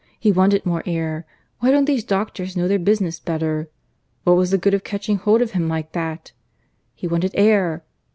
He wanted more air. ... Why don't these doctors know their business better? ... What was the good of catching hold of him like that? ... He wanted air